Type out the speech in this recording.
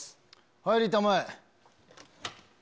入りたまえ。